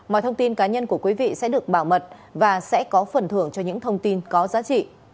mọi thông tin cá nhân của quý vị sẽ được bảo mật và sẽ có phần thưởng cho những thông tin có giá trị